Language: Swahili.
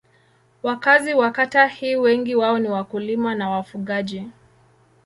Wakazi wa kata hii wengi wao ni wakulima na wafugaji.